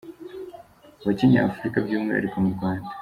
wa Kinyafurika by’umwihariko mu Rwanda.